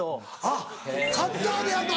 あっカッターでやるの？